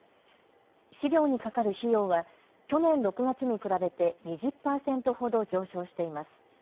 飼料にかかる費用は去年６月に比べて２０％ほど上昇しています。